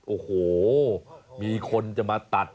โอ้โหมีคนจะมาตัด